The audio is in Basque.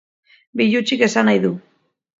Bilutsik esan nahi du.